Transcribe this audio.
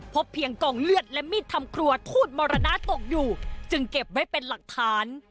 พบเพียงกองเลือดและมีดทำครัวทูตมรณะตกอยู่จึงเก็บไว้เป็นหลักฐาน